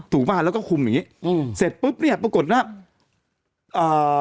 ป่ะแล้วก็คุมอย่างงี้อืมเสร็จปุ๊บเนี้ยปรากฏว่าเอ่อ